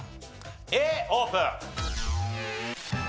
Ａオープン！